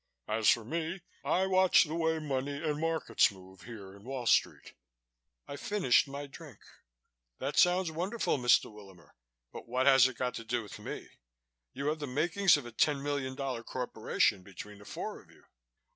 As for me, I watch the way money and markets move here in Wall Street." I finished my drink. "That sounds wonderful, Mr. Willamer, but what has it got to do with me? You have the makings of a ten million dollar corporation between the four of you."